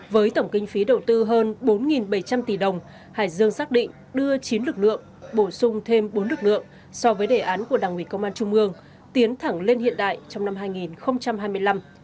với tổng kinh phí đầu tư hơn bốn bảy trăm linh tỷ đồng hải dương xác định đưa chín lực lượng bổ sung thêm bốn lực lượng so với đề án của đảng ủy công an trung ương tiến thẳng lên hiện đại trong năm hai nghìn hai mươi năm